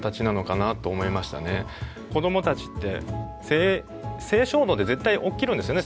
子どもたちって性衝動って絶対起きるんですよね。